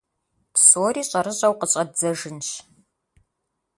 Псори щӀэрыщӀэу къыщӀэддзэжынщ…